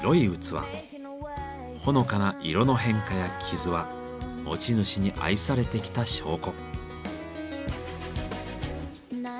ほのかな色の変化や傷は持ち主に愛されてきた証拠。